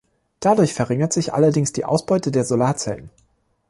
Dadurch verringert sich allerdings die Ausbeute der Solarzellen.